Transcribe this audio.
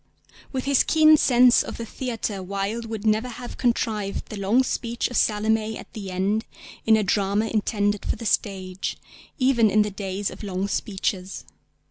With his keen sense of the theatre Wilde would never have contrived the long speech of Salomé at the end in a drama intended for the stage, even in the days of long speeches.